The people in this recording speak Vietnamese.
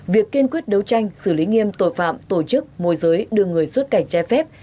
việc kiên quyết đấu tranh xử lý nghiêm tội phạm tổ chức môi giới đưa người xuất cảnh trái phép